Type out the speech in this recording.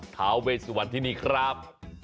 ท้าเวสวรรคที่นี่ครับ